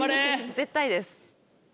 絶対です。